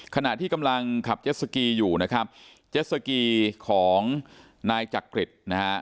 ขณะที่กำลังขับเจ็ดสกีอยู่นะครับเจ็ดสกีของนายจักริตนะฮะ